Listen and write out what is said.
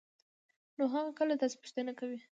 نو هغه کله داسې پوښتنه کوي؟؟